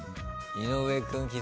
井上君気